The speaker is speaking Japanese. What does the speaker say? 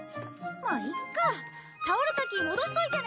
まあいっか！